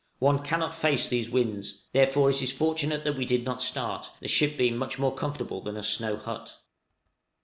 One cannot face these winds, therefore it is fortunate that we did not start, the ship being much more comfortable than a snow hut.